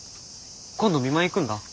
今度見舞い行くんだ。